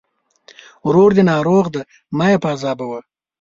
ورور دې ناروغه دی! مه يې پاذابوه.